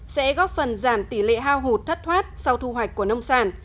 sẽ góp phần giảm tỷ lệ hao hụt thất thoát sau thu hoạch của nông sản